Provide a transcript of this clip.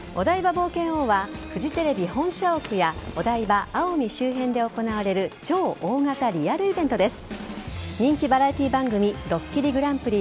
冒険王はフジテレビ本社屋やお台場・青海周辺で行われる超大型リアルイベントです。